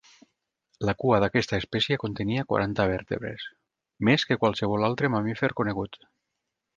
La cua d'aquesta espècie contenia quaranta vèrtebres, més que qualsevol altre mamífer conegut.